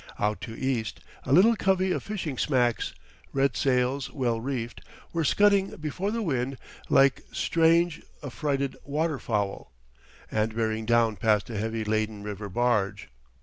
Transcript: Out to east a little covey of fishing smacks, red sails well reefed, were scudding before the wind like strange affrighted water fowl, and bearing down past a heavy laden river barge.